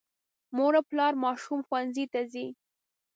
مور او پلار ماشوم ښوونځي ته ځي.